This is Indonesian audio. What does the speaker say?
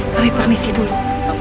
kami permisi dulu